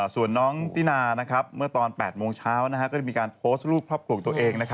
ส่วนน้องตินาเมื่อตอน๘โมงเช้าก็ได้มีการโพสต์รูปครอบครัวของตัวเอง